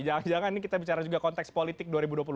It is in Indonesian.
jangan jangan ini kita bicara juga konteks politik dua ribu dua puluh